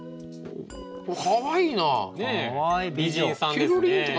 美人さんですね。